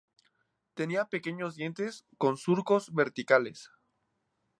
Tenía pequeños dientes con surcos verticales.